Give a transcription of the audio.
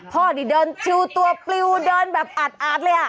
พอเดี๋ยวเดินชิวตัวปลิวเดินแบบอัดอัดเลย